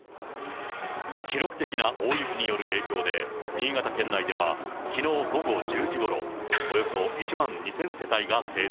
記録的な大雪による影響で、新潟県内ではきのう午後１０時ごろ、およそ１万２０００世帯が停電。